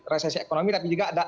resesi ekonomi tapi juga ada